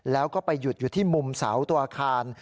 แล้วก็ไปหยุดอยู่ที่มุมเสาตัวอาคาร